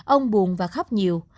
ông buồn và khóc nhiều